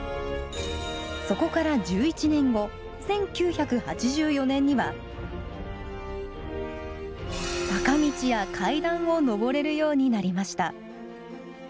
そこから１１年後１９８４年には坂道や階段をのぼれるようになりました。